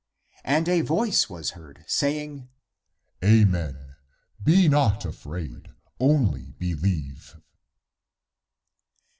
And a voice was heard, say ing " Amen. Be not afraid, only believe!